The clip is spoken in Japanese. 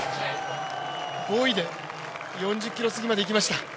５位で４０ｋｍ過ぎまでいきました。